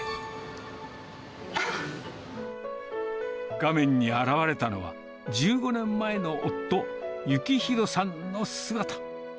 画面に現れたのは、１５年前の夫、幸弘さんの姿。